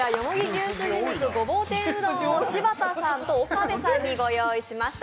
牛すじ肉ごぼう天うどんを柴田さんと岡部さんにご用意しました。